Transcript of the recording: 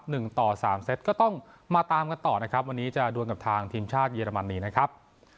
หนึ่งต่อสามเซตก็ต้องมาตามกันต่อนะครับวันนี้จะดวนกับทางทีมชาติเยอรมนีนะครับ